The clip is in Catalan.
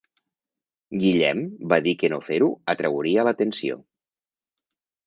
Guillem va dir que no fer-ho atrauria l'atenció.